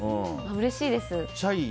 うれしいです。